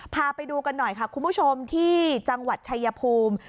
พาไปดูกันหน่อยค่ะคุณผู้ชมที่จังหวัดชายภูมิ